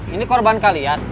ini korban kalian